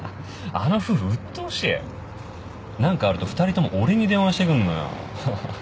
あの夫婦うっとうしいなんかあると２人とも俺に電話してくんのよはははっ